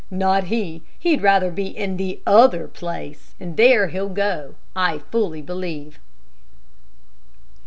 Not he; he'd rather be in the other place, and there he'll go, I fully believe."